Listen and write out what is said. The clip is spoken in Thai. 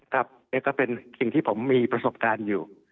ก็เป็นสิ่งที่ผมมีประสบการณ์อยู่